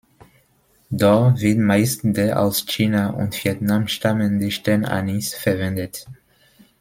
Doch wird meist der aus China und Vietnam stammende Sternanis verwendet.